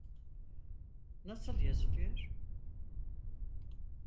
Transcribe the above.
Nasıl yazılıyor?